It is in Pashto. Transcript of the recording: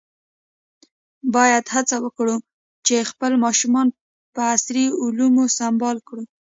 باید هڅه وکړو چې خپل ماشومان په عصري علومو سمبال کړو.